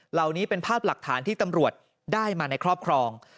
เหล่านี้เป็นภาพหลักฐานที่ตำรวจได้มาในครอบครอง